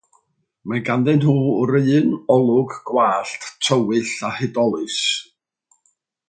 Mae ganddyn nhw'r un olwg gwallt tywyll a hudolus.